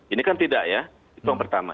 ini kan tidak ya itu yang pertama